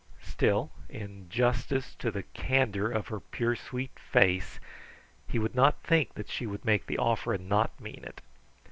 Still, in justice to the candor of her pure, sweet face, he would not think that she would make the offer and not mean it.